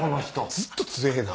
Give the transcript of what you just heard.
ずっと強えぇな！